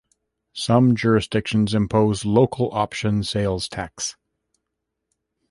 Some jurisdictions impose local option sales tax.